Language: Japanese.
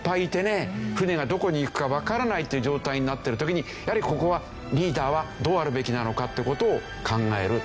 船がどこに行くかわからないっていう状態になってる時にやはりここはリーダーはどうあるべきなのかっていう事を考える。